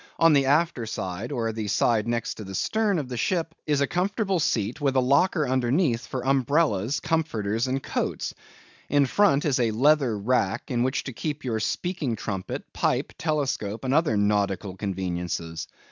On the after side, or side next the stern of the ship, is a comfortable seat, with a locker underneath for umbrellas, comforters, and coats. In front is a leather rack, in which to keep your speaking trumpet, pipe, telescope, and other nautical conveniences.